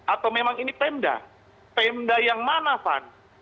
atau memang ini pemda pemda yang mana fan